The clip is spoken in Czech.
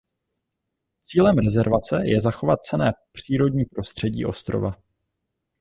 Cílem rezervace je zachovat cenné přírodní prostředí ostrova.